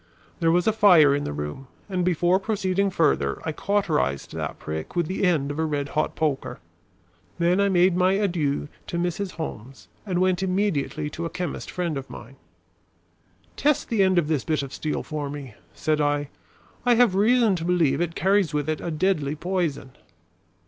There was a fire in the room, and before proceeding further, I cauterized that prick with the end of a red hot poker. Then I made my adieux to Mrs. Holmes and went immediately to a chemist friend of mine. "Test the end of this bit of steel for me," said I. "I have reason to believe it carries with it a deadly poison."